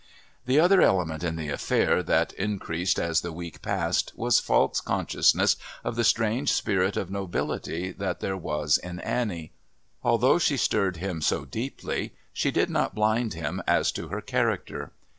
The other element in the affair that increased as the week passed was Falk's consciousness of the strange spirit of nobility that there was in Annie. Although she stirred him so deeply she did not blind him as to her character.